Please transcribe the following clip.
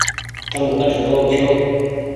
تم ڪٺ رهو ڇو ۔